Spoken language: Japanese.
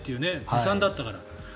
ずさんだったから。